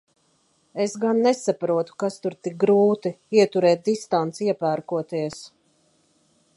Es gan nesaprotu, kas tur tik grūti – ieturēt distanci iepērkoties.